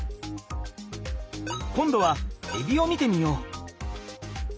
今度はえびを見てみよう。